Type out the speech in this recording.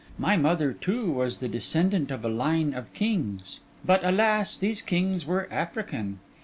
My mother, too, was the descendant of a line of kings; but, alas! these kings were African.